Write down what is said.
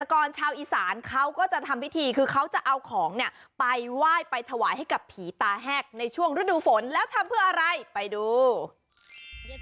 ก่อนชาวอีสานเขาก็จะทำพิธีคือเขาจะเอาของเนี่ยไปไหว้ไปถวายให้กับผีตาแหกในช่วงฤดูฝนแล้วทำเพื่ออะไรไปดู